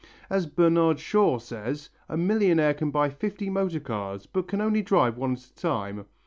As Bernard Shaw says, a millionaire can buy fifty motor cars but can only drive one at a time.